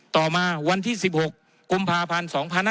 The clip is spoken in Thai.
ต่อมาวันที่๑๖กุภาพรรฯ๒๑๖๑